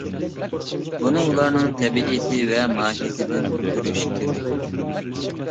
بۇنى ئۇلارنىڭ تەبىئىتى ۋە ماھىيىتىدىن كۆرۈش كېرەك.